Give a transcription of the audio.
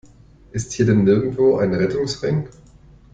Ist hier denn nirgendwo ein Rettungsring?